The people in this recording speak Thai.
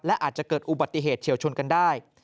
และอาจจะเกิดอุบัติเหตุเฉียวชนกันได้